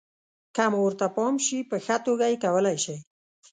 که مو ورته پام شي، په ښه توګه یې کولای شئ.